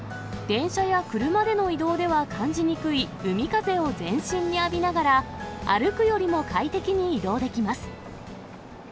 電車や車での移動では感じにくい海風を全身に浴びながら、歩くよりも快適に移動できます。